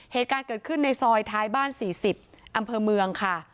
เหตุการณ์เกิดขึ้นในซอยท้ายบ้าน๔๐อำเภอเมืองค่ะ